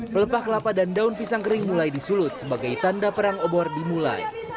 pelepah kelapa dan daun pisang kering mulai disulut sebagai tanda perang obor dimulai